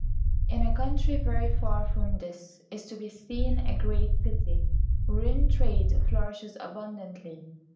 In a country very far from this is to be seen a great city wherein trade flourishes abundantly.